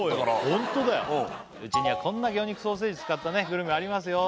ホントだようちにはこんな魚肉ソーセージ使ったねグルメありますよ